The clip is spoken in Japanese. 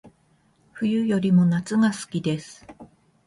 冬よりも夏が好きです